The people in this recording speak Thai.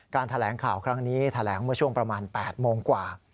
แถลงข่าวครั้งนี้แถลงเมื่อช่วงประมาณ๘โมงกว่า